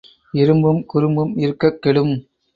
இரும்பும் குறும்பும் இருக்கக் கெடும்.